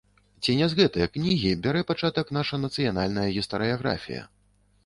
Ці не з гэтае кнігі бярэ пачатак наша нацыянальная гістарыяграфія?